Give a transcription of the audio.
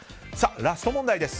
ラスト問題です。